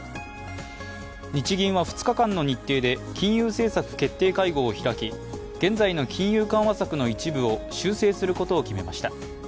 日銀は２日間の日程で金融政策決定会合を開き、現在の金融緩和策の一部を修正することを決めました。